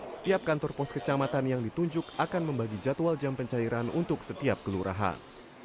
setiap kantor pos kecamatan yang ditunjuk akan membagi jadwal jam pencairan untuk setiap kelurahan